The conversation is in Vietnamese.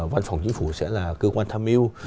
văn phòng chính phủ sẽ là cơ quan tham mưu